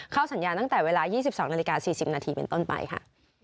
สัญญาณตั้งแต่เวลา๒๒นาฬิกา๔๐นาทีเป็นต้นไปค่ะ